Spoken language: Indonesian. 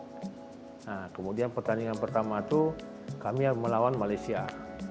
pemain pemain juga tergabung dari profesional amatir perserikatan maupun dari pssi garuda